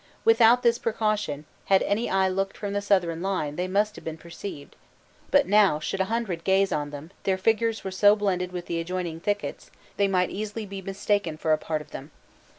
Without this precaution, had any eye looked from the Southron line they must have been perceived; but now should a hundred gaze on them, their figures were so blended with the adjoining thickets, they might easily be mistaken for a part of them.